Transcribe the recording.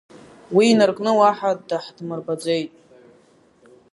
Уи инаркны уаҳа даҳдмырбаӡеит.